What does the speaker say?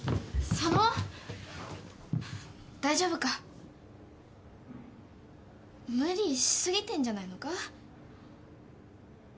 ・佐野大丈夫か？無理し過ぎてんじゃないのか？